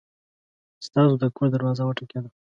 ستاسو د کور دروازه وټکېده!